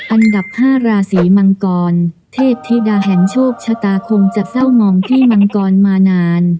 อันดับ๕ราศีมังกรเทพธิดาแห่งโชคชะตาคงจะเศร้ามองพี่มังกรมานาน